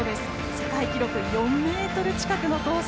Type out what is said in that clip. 世界記録４ｍ近くの更新。